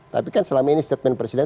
tapi kan selama ini statement presiden